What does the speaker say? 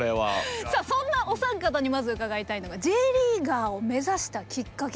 さあそんなお三方にまず伺いたいのがＪリーガーを目指したきっかけ。